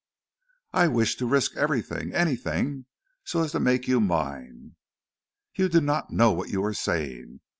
"I wish to risk everything, anything, so as to make you mine." "You do not know what you are saying.